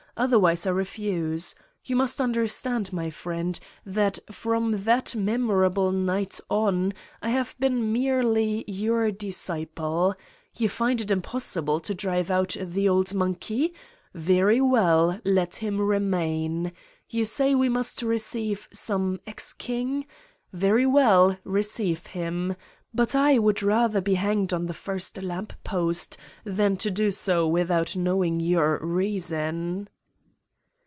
Otherwise I re fuse. You must understand, my friend, that from that memorable night on I have been merely your disciple. You find it impossible to drive out the old monkey? Very well, let him remain. You say we must receive some ex king? Very well, receive him. But I would rather be hanged on the first lamppost than to do so without knowing your reason.'